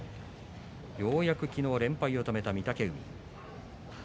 ようやく昨日、連敗を止めた御嶽海。